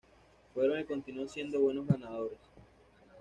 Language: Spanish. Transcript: Fueron y continúan siendo buenos ganaderos.